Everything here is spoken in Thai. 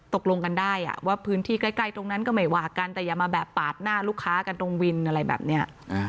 ตกลงกันได้ว่าพื้นที่ใกล้ตรงนั้นก็ไม่ว่ากันแต่อย่ามาแบบปาดหน้าลูกค้ากันตรงวินอะไรแบบนี้